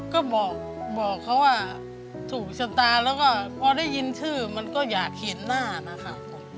ก็บอกเขาว่าถูกชะตาแล้วก็พอได้ยินชื่อมันก็อยากเห็นหน้านะคะ